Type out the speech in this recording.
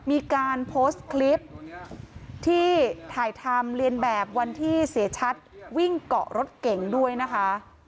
มีการโพสต์คลิปที่ถ่ายทำเรียนแบบวันที่เสียชัดวิ่งเกาะรถเก่งด้วยนะคะ